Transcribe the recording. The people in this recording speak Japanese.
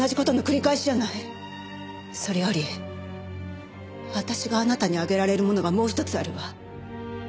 それより私があなたにあげられるものがもう１つあるわ。